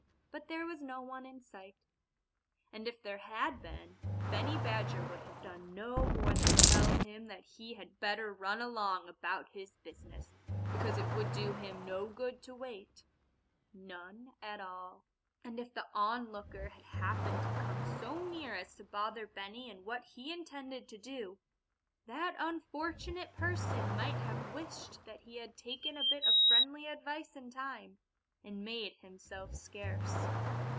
But there was no one in sight. And if there had been, Benny Badger would have done no more than tell him that he had better run along about his business, because it would do him no good to wait none at all. And if the onlooker had happened to come so near as to bother Benny in what he intended to do, that unfortunate person might have wished that he had taken a bit of friendly advice in time, and made himself scarce.